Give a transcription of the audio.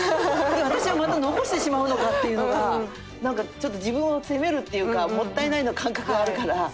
私はまた残してしまうのかっていうのがなんかちょっと自分を責めるっていうかもったいないの感覚があるから。